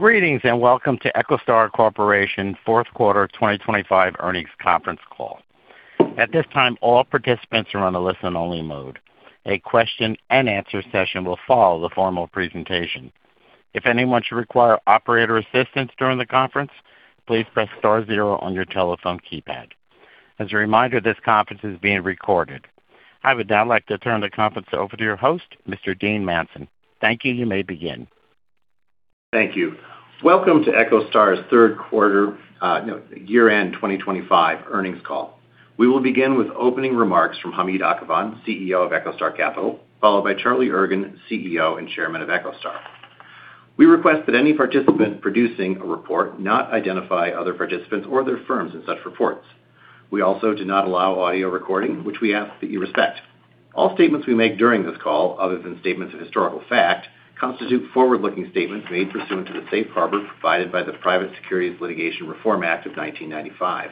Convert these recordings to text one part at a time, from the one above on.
Greetings, welcome to EchoStar Corporation Fourth Quarter 2025 Earnings Conference Call. At this time, all participants are on a listen-only mode. A question and answer session will follow the formal presentation. If anyone should require operator assistance during the conference, please press star zero on your telephone keypad. As a reminder, this conference is being recorded. I would now like to turn the conference over to your host, Mr. Dean Manson. Thank you. You may begin. Thank you. Welcome to EchoStar's year-end 2025 earnings call. We will begin with opening remarks from Hamid Akhavan, CEO of EchoStar Capital, followed by Charlie Ergen, CEO and Chairman of EchoStar. We request that any participant producing a report not identify other participants or their firms in such reports. We also do not allow audio recording, which we ask that you respect. All statements we make during this call, other than statements of historical fact, constitute forward-looking statements made pursuant to the safe harbor provided by the Private Securities Litigation Reform Act of 1995.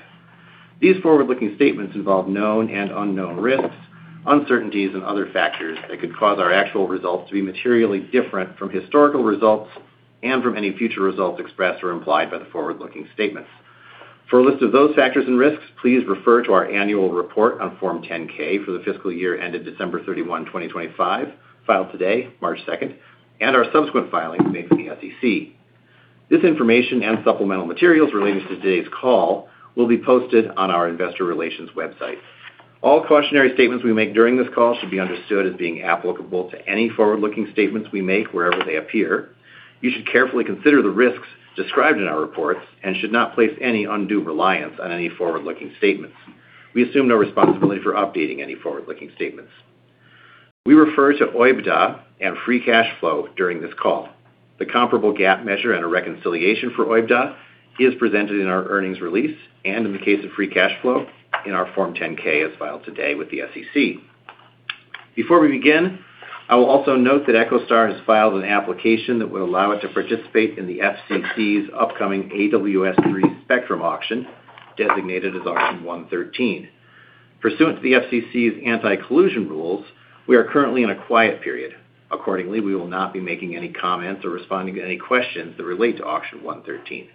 These forward-looking statements involve known and unknown risks, uncertainties, and other factors that could cause our actual results to be materially different from historical results and from any future results expressed or implied by the forward-looking statements. For a list of those factors and risks, please refer to our annual report on Form 10-K for the fiscal year ended December 31, 2025, filed today, March 2, and our subsequent filings made with the SEC. This information and supplemental materials relating to today's call will be posted on our investor relations website. All cautionary statements we make during this call should be understood as being applicable to any forward-looking statements we make wherever they appear. You should carefully consider the risks described in our reports and should not place any undue reliance on any forward-looking statements. We assume no responsibility for updating any forward-looking statements. We refer to OIBDA and free cash flow during this call. The comparable GAAP measure and a reconciliation for OIBDA is presented in our earnings release and, in the case of free cash flow, in our Form 10-K as filed today with the SEC. Before we begin, I will also note that EchoStar has filed an application that would allow it to participate in the FCC's upcoming AWS-3 spectrum auction, designated as Auction 113. Pursuant to the FCC's anti-collusion rules, we are currently in a quiet period. Accordingly, we will not be making any comments or responding to any questions that relate to Auction 113.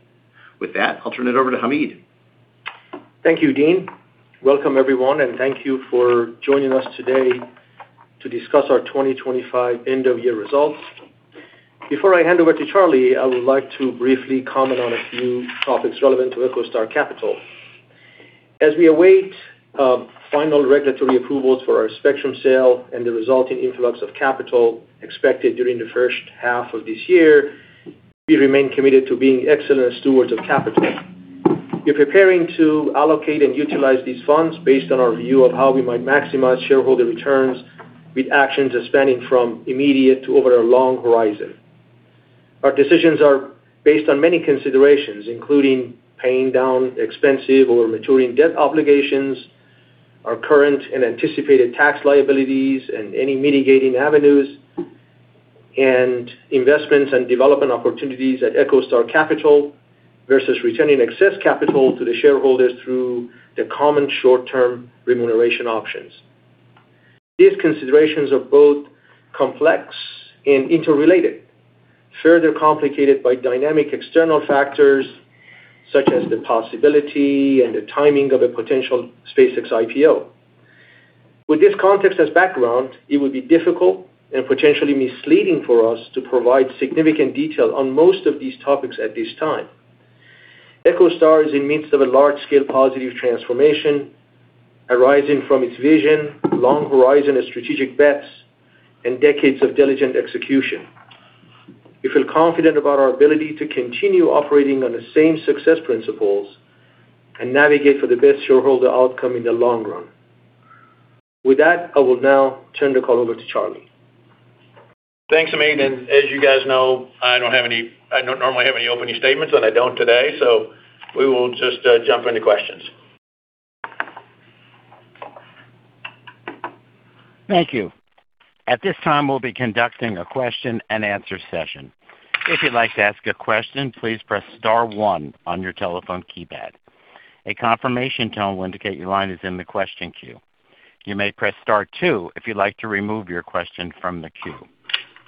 With that, I'll turn it over to Hamid. Thank you, Dean. Welcome, everyone, and thank you for joining us today to discuss our 2025 end-of-year results. Before I hand over to Charlie, I would like to briefly comment on a few topics relevant to EchoStar Capital. As we await final regulatory approvals for our spectrum sale and the resulting influx of capital expected during the first half of this year, we remain committed to being excellent stewards of capital. We're preparing to allocate and utilize these funds based on our view of how we might maximize shareholder returns with actions spanning from immediate to over a long horizon. Our decisions are based on many considerations, including paying down expensive or maturing debt obligations, our current and anticipated tax liabilities and any mitigating avenues, and investments and development opportunities at EchoStar Capital versus returning excess capital to the shareholders through the common short-term remuneration options. These considerations are both complex and interrelated, further complicated by dynamic external factors such as the possibility and the timing of a potential SpaceX IPO. With this context as background, it would be difficult and potentially misleading for us to provide significant detail on most of these topics at this time. EchoStar is in midst of a large-scale positive transformation arising from its vision, long horizon of strategic bets, and decades of diligent execution. We feel confident about our ability to continue operating on the same success principles and navigate for the best shareholder outcome in the long run. With that, I will now turn the call over to Charlie. Thanks, Hamid. As you guys know, I don't normally have any opening statements. I don't today. We will just jump into questions. Thank you. At this time, we'll be conducting a question and answer session. If you'd like to ask a question, please press star one on your telephone keypad. A confirmation tone will indicate your line is in the question queue. You may press star two if you'd like to remove your question from the queue.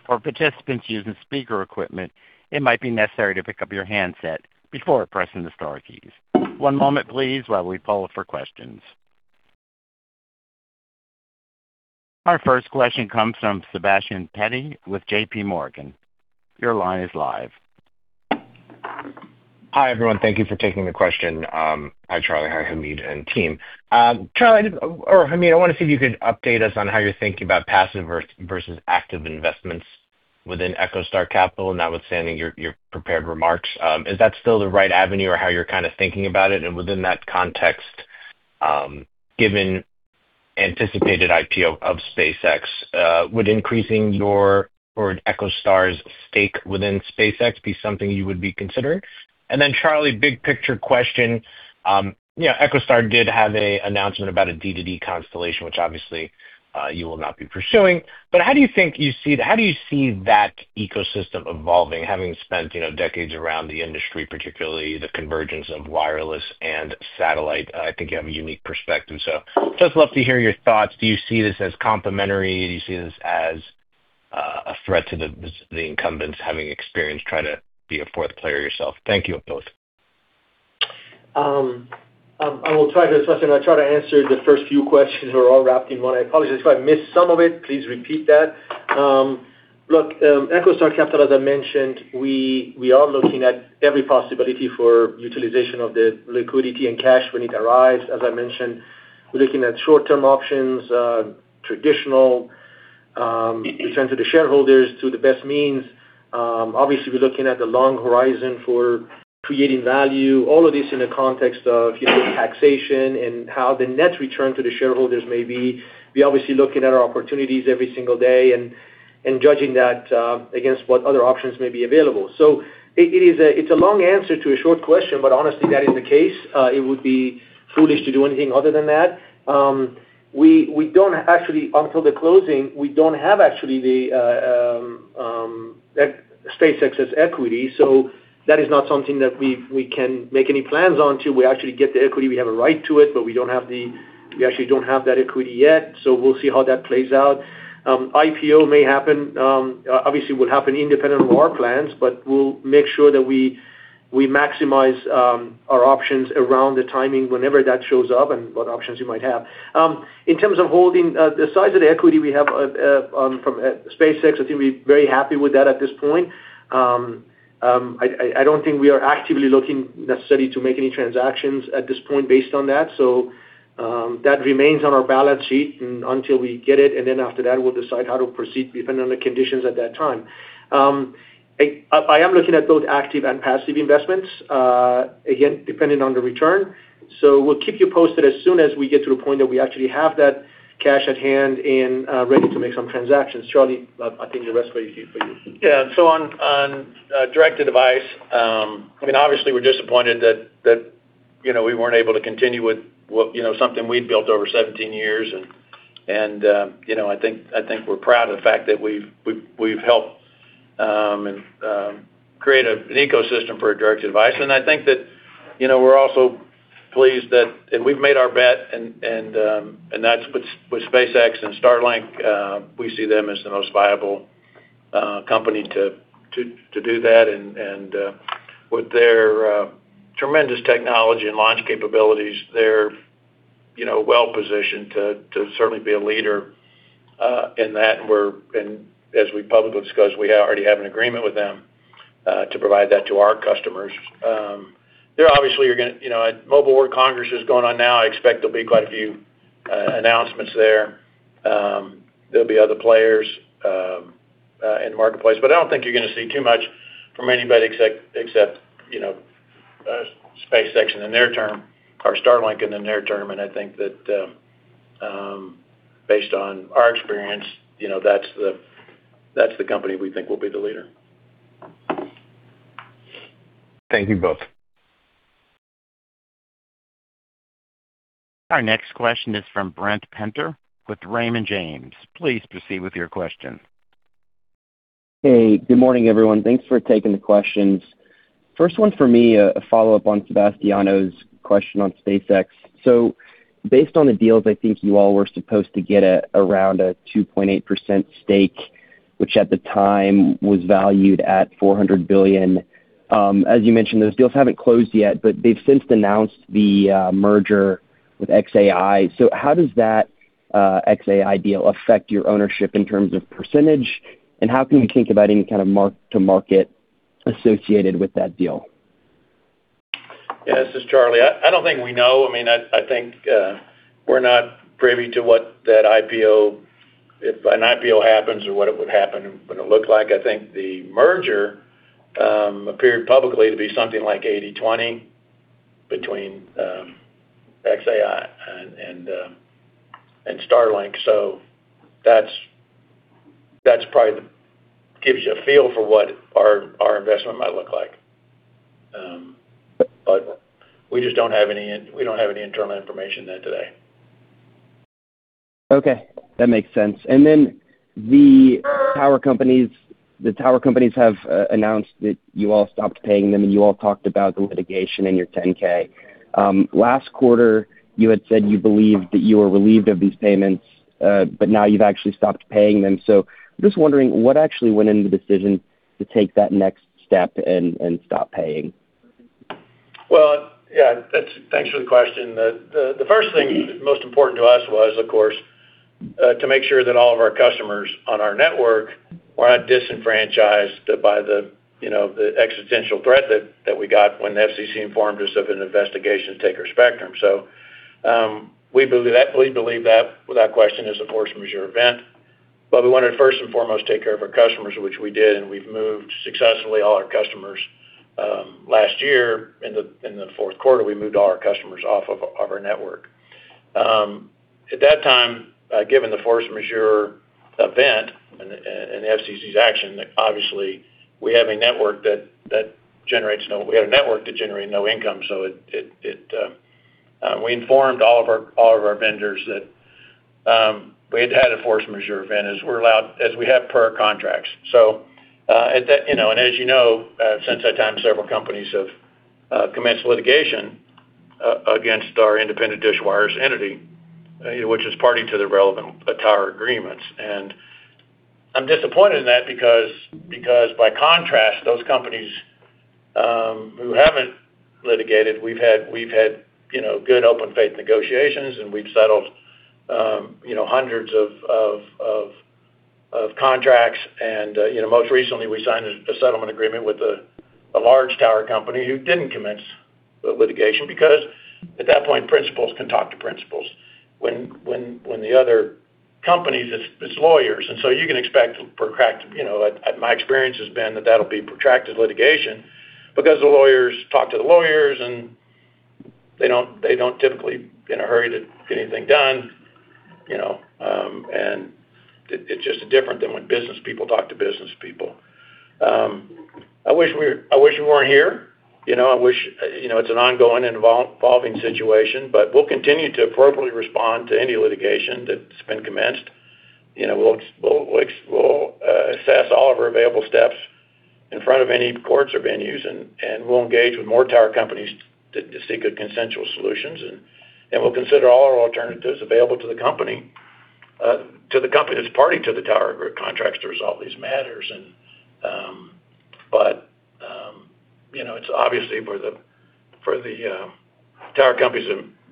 For participants using speaker equipment, it might be necessary to pick up your handset before pressing the star keys. One moment, please, while we poll for questions. Our first question comes from Sebastiano Petti with JPMorgan. Your line is live. Hi, everyone. Thank you for taking the question. Hi, Charlie. Hi, Hamid and team. Charlie, or Hamid, I want to see if you could update us on how you're thinking about passive versus active investments within EchoStar Capital, notwithstanding your prepared remarks. Is that still the right avenue or how you're kind of thinking about it? Within that context, given anticipated IPO of SpaceX, would increasing your or EchoStar's stake within SpaceX be something you would be considering? Charlie, big picture question. You know, EchoStar did have a announcement about a D2D constellation, which obviously, you will not be pursuing. How do you see that ecosystem evolving, having spent, you know, decades around the industry, particularly the convergence of wireless and satellite? I think you have a unique perspective. Just love to hear your thoughts. Do you see this as complementary? Do you see this as a threat to the incumbents having experience trying to be a fourth player yourself? Thank you, both. I'll try to answer the first few questions are all wrapped in one. I apologize if I missed some of it, please repeat that. Look, EchoStar Capital, as I mentioned, we are looking at every possibility for utilization of the liquidity and cash when it arrives. As I mentioned, we're looking at short-term options, traditional return to the shareholders through the best means. Obviously, we're looking at the long horizon for creating value, all of this in the context of, you know, taxation and how the net return to the shareholders may be. We're obviously looking at our opportunities every single day and judging that against what other options may be available. It's a long answer to a short question, but honestly, that is the case. It would be foolish to do anything other than that. We don't actually. Until the closing, we don't have actually that SpaceX's equity. That is not something that we can make any plans on till we actually get the equity. We have a right to it, but we don't have that equity yet. We'll see how that plays out. IPO may happen, obviously, will happen independent of our plans, but we'll make sure that we maximize our options around the timing whenever that shows up and what options we might have. In terms of holding the size of the equity we have from SpaceX, I think we're very happy with that at this point. I don't think we are actively looking necessarily to make any transactions at this point based on that. That remains on our balance sheet until we get it, and then after that, we'll decide how to proceed depending on the conditions at that time. I am looking at both active and passive investments, again, depending on the return. We'll keep you posted as soon as we get to the point that we actually have that cash at hand and ready to make some transactions. Charlie, I think the rest will be for you. On direct-to-device, I mean, obviously, we're disappointed that, you know, we weren't able to continue with what, you know, something we'd built over 17 years and, you know, I think we're proud of the fact that we've helped and create an ecosystem for a direct-to-device. I think that, you know, we're also pleased and we've made our bet and that's with SpaceX and Starlink. We see them as the most viable company to do that. And with their tremendous technology and launch capabilities, they're, you know, well-positioned to certainly be a leader in that. As we publicly discussed, we already have an agreement with them to provide that to our customers. They're obviously gonna, you know, Mobile World Congress is going on now. I expect there'll be quite a few announcements there. There'll be other players in the marketplace. I don't think you're gonna see too much from anybody except, you know, SpaceX and in their term or Starlink and in their term. I think that, based on our experience, you know, that's the company we think will be the leader. Thank you both. Our next question is from Brent Penter with Raymond James. Please proceed with your question. Hey, good morning, everyone. Thanks for taking the questions. First one for me, a follow-up on Sebastiano's question on SpaceX. Based on the deals, I think you all were supposed to get around a 2.8% stake, which at the time was valued at $400 billion. As you mentioned, those deals haven't closed yet, but they've since announced the merger with xAI. How does that xAI deal affect your ownership in terms of percentage? How can you think about any kind of mark-to-market associated with that deal? Yeah. This is Charlie. I don't think we know. I mean, I think we're not privy to if an IPO happens or what it looked like. I think the merger appeared publicly to be something like 80/20 between xAI and Starlink. That's probably gives you a feel for what our investment might look like. But we just don't have any internal information there today. Okay. That makes sense. The tower companies have announced that you all stopped paying them, and you all talked about the litigation in your 10-K. Last quarter, you had said you believed that you were relieved of these payments, but now you've actually stopped paying them. I'm just wondering, what actually went into the decision to take that next step and stop paying? Well, yeah. That's thanks for the question. The first thing most important to us was, of course, to make sure that all of our customers on our network were not disenfranchised by the, you know, the existential threat that we got when the FCC informed us of an investigation to take our spectrum. We believe that without question is a force majeure event. We wanted to first and foremost take care of our customers, which we did, and we've moved successfully all our customers last year in the fourth quarter, we moved all our customers off of our network. At that time, given the force majeure event and FCC's action, obviously, we had a network that generated no income. It. We informed all of our vendors that we had had a force majeure event as we're allowed, as we have per our contracts. You know, as you know, since that time, several companies have commenced litigation against our independent DISH Wireless entity, which is party to the relevant tower agreements. I'm disappointed in that because by contrast, those companies who haven't litigated, we've had, you know, good open faith negotiations, and we've settled, you know, hundreds of contracts. You know, most recently, we signed a settlement agreement with a large tower company who didn't commence the litigation because at that point, principals can talk to principals. When the other companies, it's lawyers. You can expect, you know, my experience has been that that'll be protracted litigation because the lawyers talk to the lawyers, and they don't typically in a hurry to get anything done, you know, and it's just different than when business people talk to business people. I wish we weren't here. You know, I wish, you know, it's an ongoing involving situation. We'll continue to appropriately respond to any litigation that's been commenced. You know, we'll assess all of our available steps in front of any courts or venues, and we'll engage with more tower companies to seek a consensual solutions. We'll consider all our alternatives available to the company, to the company that's party to the tower group contracts to resolve these matters. But, you know, it's obviously for the tower companies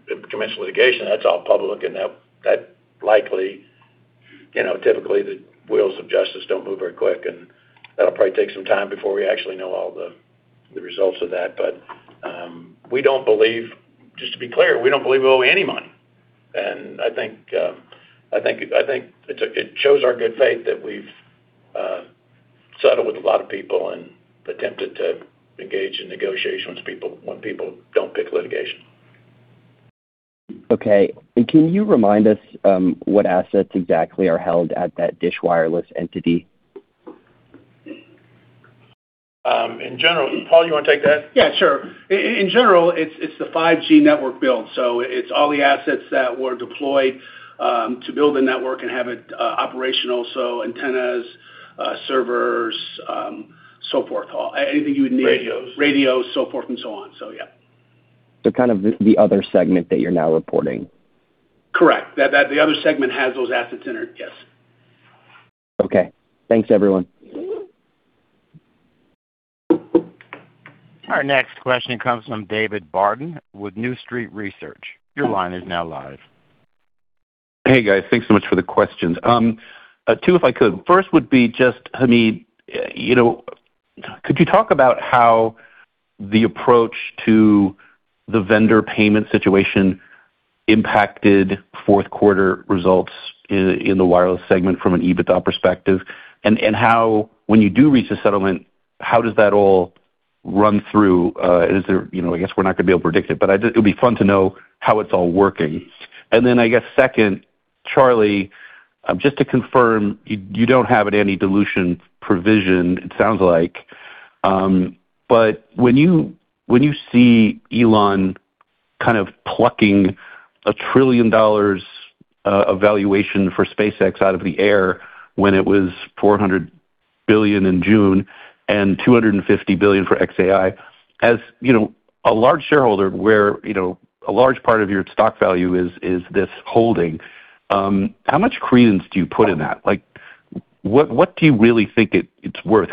that commenced litigation, that's all public, and that likely, you know, typically, the wheels of justice don't move very quick, and that'll probably take some time before we actually know all the results of that. We don't believe... Just to be clear, we don't believe we owe any money. I think it shows our good faith that we've settled with a lot of people and attempted to engage in negotiations when people don't pick litigation. Okay. Can you remind us what assets exactly are held at that DISH Wireless entity? In general, Paul, you wanna take that? Yeah, sure. In general, it's the 5G network build. It's all the assets that were deployed to build the network and have it operational, so antennas, servers, so forth. Anything you would need. Radios. Radios, so forth and so on. Yeah. kind of the other segment that you're now reporting. Correct. That the other segment has those assets in it. Yes. Okay. Thanks, everyone. Our next question comes from David Barden with New Street Research. Your line is now live. Hey, guys. Thanks so much for the questions. 2, if I could. First would be just, Hamid, you know, could you talk about how the approach to the vendor payment situation impacted fourth quarter results in the wireless segment from an EBITDA perspective? When you do reach a settlement, how does that all run through? Is there, you know, I guess we're not gonna be able to predict it, but it would be fun to know how it's all working. I guess second, Charlie, just to confirm, you don't have any dilution provision, it sounds like. When you, when you see Elon kind of plucking a $1 trillion evaluation for SpaceX out of the air when it was $400 billion in June and $250 billion for xAI, as, you know, a large shareholder where, you know, a large part of your stock value is this holding, how much credence do you put in that? What do you really think it's worth?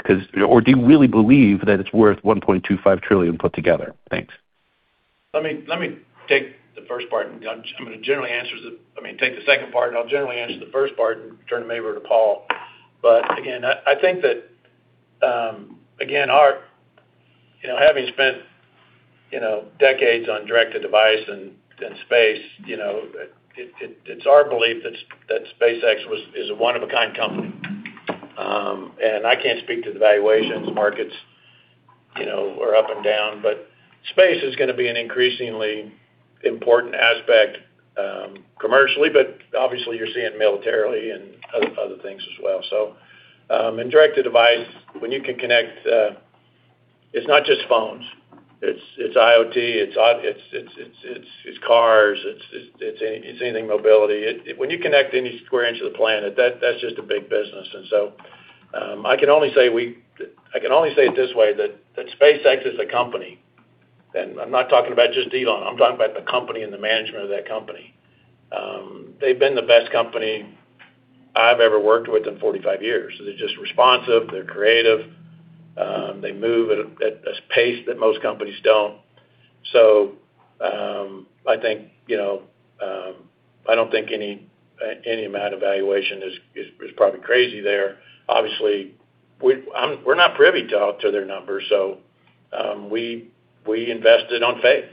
Or do you really believe that it's worth $1.25 trillion put together? Thanks. Let me take the first part, and I'm gonna generally take the second part, and I'll generally answer the first part and turn to maybe over to Paul. Again, I think that, You know, having spent, you know, decades on direct-to-device and space, you know, it's our belief that SpaceX is a one of a kind company. I can't speak to the valuations markets, you know, or up and down. Space is gonna be an increasingly important aspect, commercially, but obviously you're seeing militarily and other things as well. Direct-to-device, when you can connect, it's not just phones. It's IoT, it's cars. It's anything mobility. When you connect any square inch of the planet, that's just a big business. I can only say it this way, that SpaceX is a company. I'm not talking about just Elon. I'm talking about the company and the management of that company. They've been the best company I've ever worked with in 45 years. They're just responsive. They're creative. They move at a pace that most companies don't. I think, you know, I don't think any amount of valuation is probably crazy there. Obviously, we're not privy to their numbers, we invested on faith.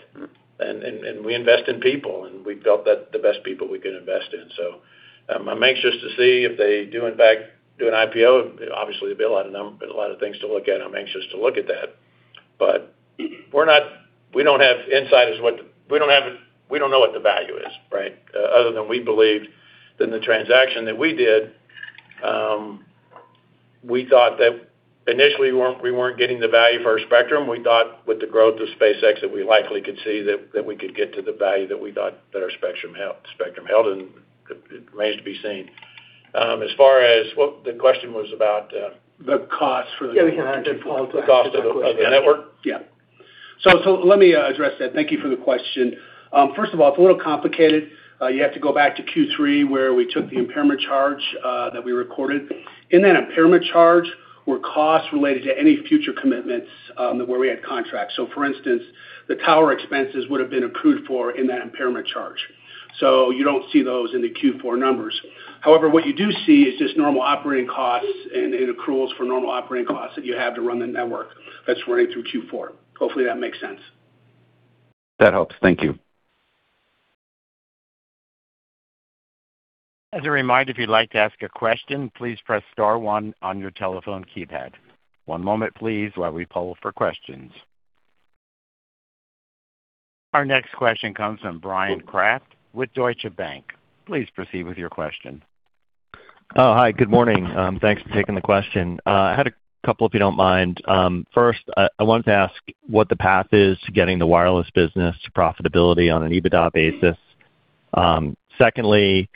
We invest in people, and we felt that the best people we could invest in. I'm anxious to see if they do in fact do an IPO. Obviously, there'll be a lot of things to look at. I'm anxious to look at that. We don't know what the value is, right? Other than we believed than the transaction that we did, we thought that initially we weren't getting the value for our spectrum. We thought with the growth of SpaceX that we likely could see that we could get to the value that we thought that our spectrum held, and it remains to be seen. As far as what the question was about. The cost for The cost of the network? Let me address that. Thank you for the question. First of all, it's a little complicated. You have to go back to Q3, where we took the impairment charge that we recorded. In that impairment charge were costs related to any future commitments, where we had contracts. For instance, the tower expenses would have been accrued for in that impairment charge. You don't see those in the Q4 numbers. However, what you do see is just normal operating costs and accruals for normal operating costs that you have to run the network that's running through Q4. Hopefully, that makes sense. That helps. Thank you. As a reminder, if you'd like to ask a question, please press star one on your telephone keypad. One moment, please, while we poll for questions. Our next question comes from Bryan Kraft with Deutsche Bank. Please proceed with your question. Hi, good morning. Thanks for taking the question. I had a couple, if you don't mind. First, I wanted to ask what the path is to getting the wireless business profitability on an EBITDA basis. Secondly,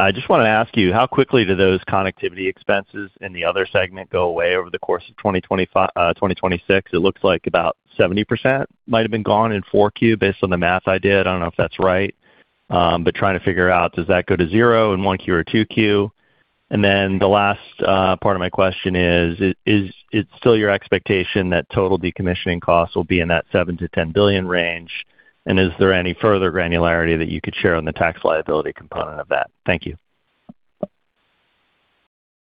I just wanna ask you, how quickly do those connectivity expenses in the other segment go away over the course of 2025-2026? It looks like about 70% might have been gone in 4Q based on the math I did. I don't know if that's right. Trying to figure out, does that go to zero in 1Q or 2Q? The last part of my question is it still your expectation that total decommissioning costs will be in that $7 billion-$10 billion range? Is there any further granularity that you could share on the tax liability component of that? Thank you.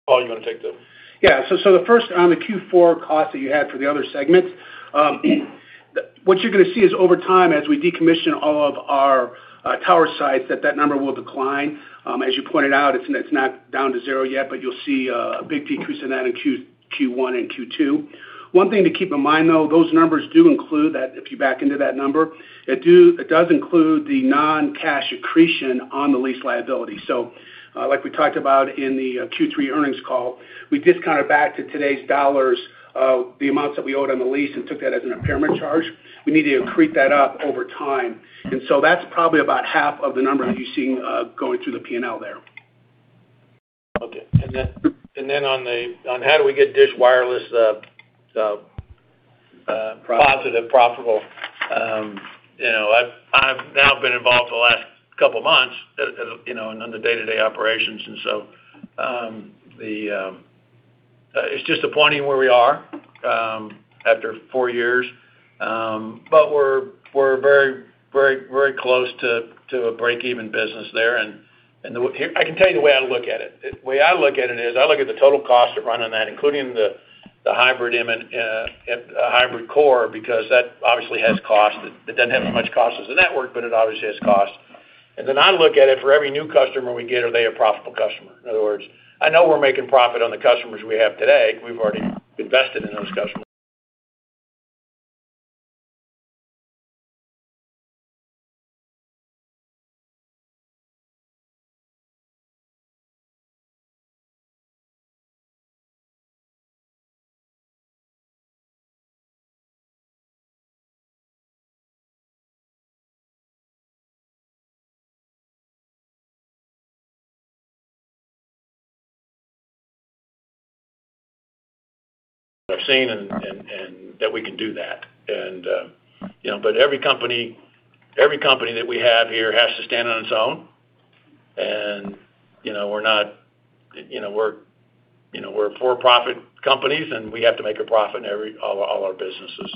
Paul, you wanna take that? The first on the Q4 cost that you had for the other segments, what you're gonna see is over time, as we decommission all of our tower sites, that number will decline. As you pointed out, it's not down to zero yet, but you'll see a big decrease in that in Q1 and Q2. One thing to keep in mind, though, those numbers do include that if you back into that number, it does include the non-cash accretion on the lease liability. Like we talked about in the Q3 earnings call, we discounted back to today's dollars, the amounts that we owed on the lease and took that as an impairment charge. We need to accrete that up over time. That's probably about half of the number that you're seeing, going through the P&L there. Okay. Then on how do we get Dish Wireless positive, profitable, you know, I've now been involved for the last couple months, you know, on the day-to-day operations. It's disappointing where we are after 4 years. We're very, very close to a break-even business there. Here, I can tell you the way I look at it. The way I look at it is I look at the total cost of running that, including the hybrid core, because that obviously has cost. It doesn't have as much cost as the network, but it obviously has cost. I look at it for every new customer we get, are they a profitable customer? In other words, I know we're making profit on the customers we have today. We've already invested in those customers. I've seen that we can do that. You know, every company that we have here has to stand on its own. You know, we're not, you know, we're for-profit companies, and we have to make a profit in all our businesses.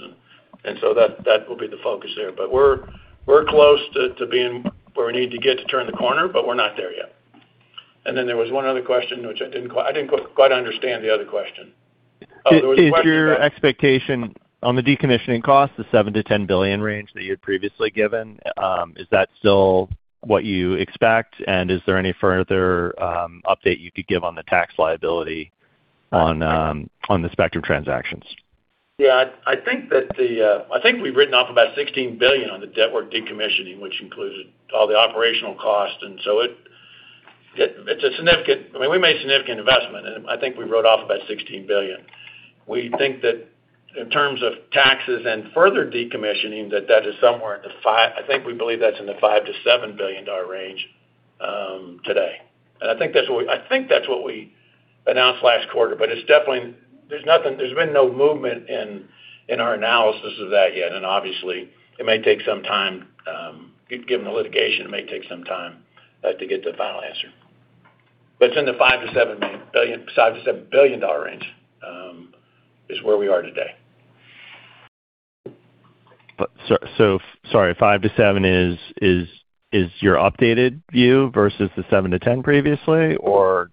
That will be the focus there. We're close to being where we need to get to turn the corner, but we're not there yet. There was 1 other question, which I didn't quite understand the other question. Is your expectation on the decommissioning cost, the $7 billion-$10 billion range that you had previously given, is that still what you expect? Is there any further update you could give on the tax liability on the spectrum transactions? Yeah. I think we've written off about $16 billion on the network decommissioning, which includes all the operational costs. It's a significant, I mean, we made significant investment, and I think we wrote off about $16 billion. We think that in terms of taxes and further decommissioning, that is somewhere, I think we believe that's in the $5 billion-$7 billion range today. I think that's what we, I think that's what we announced last quarter. It's definitely, there's nothing, there's been no movement in our analysis of that yet. Obviously, it may take some time, given the litigation, it may take some time to get the final answer. It's in the $5 billion-$7 billion, $5 billion-$7 billion range is where we are today. sorry, 5-7 is your updated view versus the 7-10 previously, or?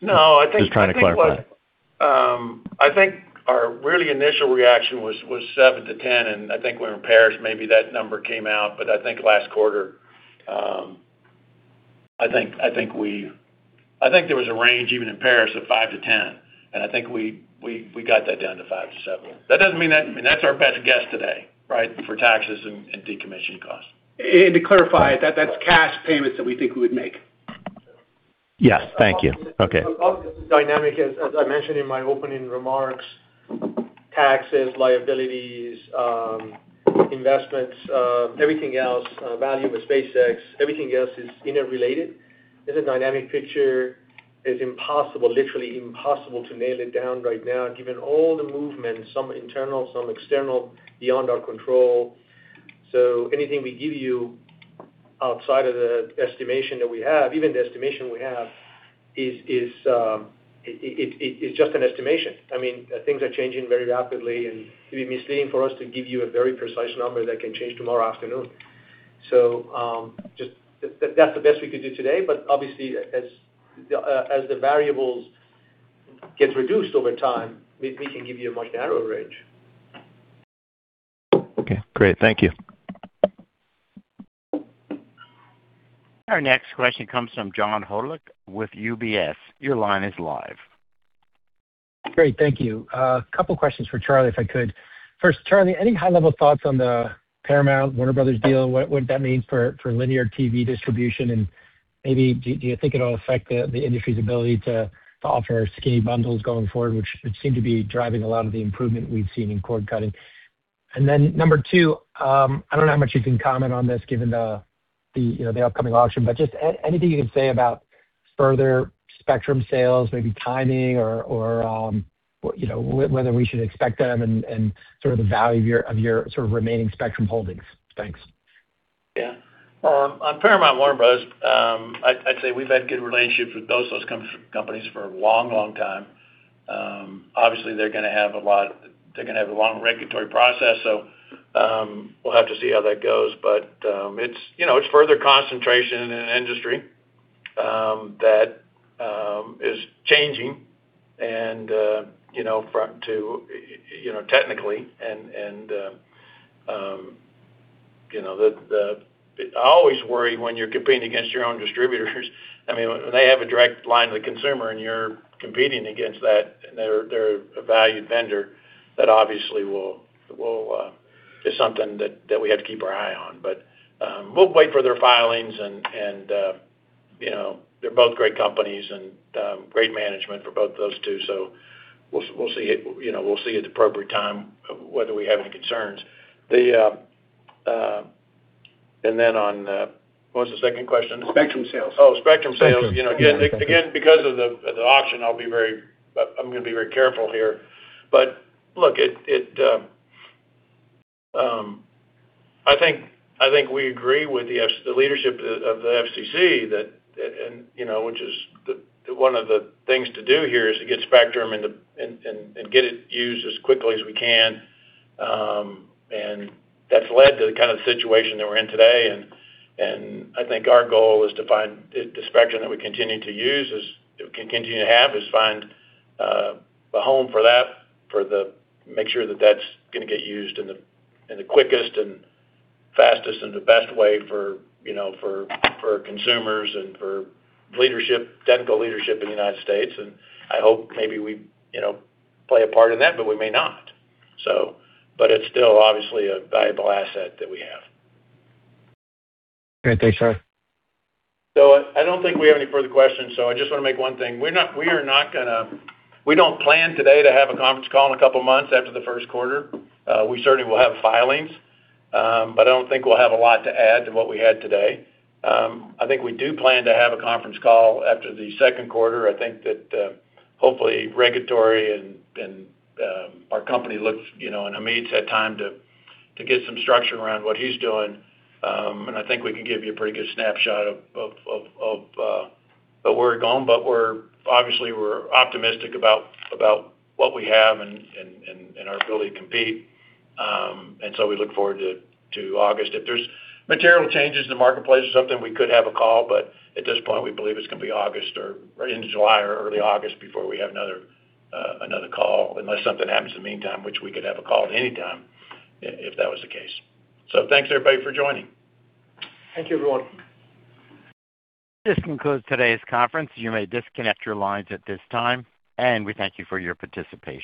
No, I think. Just trying to clarify. I think our really initial reaction was 7-10. I think we're in Paris, maybe that number came out. I t hink last quarter, I think there was a range even in Paris of 5-10. I think we got that down to 5-7. That doesn't mean that. I mean, that's our best guess today, right? For taxes and decommission costs. To clarify, that's cash payments that we think we would make. Yes. Thank you. Okay. Dynamic, as I mentioned in my opening remarks, taxes, liabilities, investments, everything else, value of SpaceX, everything else is interrelated. This is a dynamic picture. It's impossible, literally impossible, to nail it down right now, given all the movement, some internal, some external, beyond our control. Anything we give you outside of the estimation that we have, even the estimation we have, it's just an estimation. I mean, things are changing very rapidly, and it'd be misleading for us to give you a very precise number that can change tomorrow afternoon. Just that's the best we could do today. Obviously, as the, as the variables get reduced over time, we can give you a much narrower range. Okay, great. Thank you. Our next question comes from John Hodulik with UBS. Your line is live. Great, thank you. A couple questions for Charlie, if I could. First, Charlie, any high-level thoughts on the Paramount/Warner Bros. Discovery deal, what that means for linear TV distribution? Maybe do you think it'll affect the industry's ability to offer skinny bundles going forward, which would seem to be driving a lot of the improvement we've seen in cord cutting? Number two, I don't know how much you can comment on this given the, you know, the upcoming auction, but just anything you can say about further spectrum sales, maybe timing or, you know, whether we should expect them and sort of the value of your sort of remaining spectrum holdings. Thanks. Well, on Paramount/Warner Bros. Discovery, I'd say we've had good relationships with both those companies for a long, long time. Obviously, they're gonna have a long regulatory process, so, we'll have to see how that goes. It's, you know, it's further concentration in an industry that is changing and, you know, to, you know, technically and, you know, the... I always worry when you're competing against your own distributors. I mean, when they have a direct line to the consumer and you're competing against that and they're a valued vendor, that obviously will is something that we have to keep our eye on. We'll wait for their filings and, you know, they're both great companies and great management for both those two. We'll see it, you know, we'll see at the appropriate time whether we have any concerns. On, what was the second question? Spectrum sales. Oh, spectrum sales. You know, again, because of the auction, I'm gonna be very careful here. Look, it, I think we agree with the leadership of the FCC that, you know, which is one of the things to do here is to get spectrum and get it used as quickly as we can. That's led to the kind of situation that we're in today, and I think our goal is to find the spectrum that we continue to use is, continue to have, is find the home for that, make sure that that's gonna get used in the quickest and fastest and the best way for, you know, for consumers and for leadership, technical leadership in the United States. I hope maybe we, you know, play a part in that, but we may not. But it's still obviously a valuable asset that we have. Great. Thanks, Charlie. I don't think we have any further questions, so I just want to make one thing. We don't plan today to have a conference call in a couple months after the first quarter. We certainly will have filings, I don't think we'll have a lot to add to what we had today. I think we do plan to have a conference call after the second quarter. I think that hopefully regulatory and our company looks, you know, and Hamid's had time to get some structure around what he's doing. I think we can give you a pretty good snapshot of where we're going. Obviously, we're optimistic about what we have and our ability to compete. We look forward to August. If there's material changes in the marketplace or something, we could have a call, but at this point, we believe it's gonna be August or right into July or early August before we have another call, unless something happens in the meantime, which we could have a call at any time if that was the case. Thanks, everybody, for joining. Thank you, everyone. This concludes today's conference. You may disconnect your lines at this time, and we thank you for your participation.